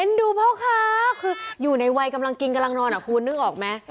ดูพ่อค้าคืออยู่ในวัยกำลังกินกำลังนอนอ่ะคุณนึกออกไหม